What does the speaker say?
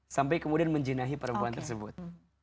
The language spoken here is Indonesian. sampai kemudian menjinahi perempuan tersebut